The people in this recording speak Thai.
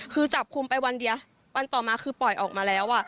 คือจับคุมไปวันเดียววันต่อมาคือปล่อยออกมาแล้ว